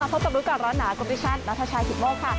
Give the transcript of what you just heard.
สวัสดีครับร้อนหนากรุมทิชชั่นนัทชายถิ่นโมกค่ะ